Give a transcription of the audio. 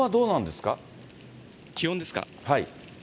気温ですか？